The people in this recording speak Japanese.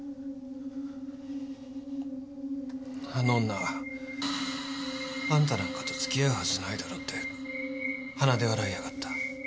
あの女あんたなんかと付き合うはずないだろって鼻で笑いやがった。